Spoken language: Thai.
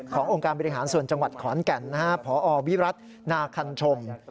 องค์การบริหารส่วนจังหวัดขอนแก่นพอวิรัตินาคันชม